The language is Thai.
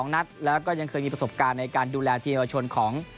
นัดแล้วก็ยังเคยมีประสบการณ์ในการดูแลทีมเยาวชนของ